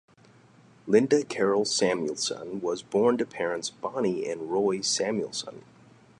Linda Carol Samuelson was born to parents Bonnie and Roy Samuelson.